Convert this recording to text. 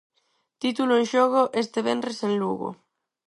Título en xogo este venres en Lugo.